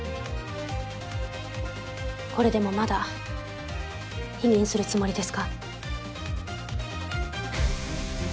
これでもまだ否認するつもりですか？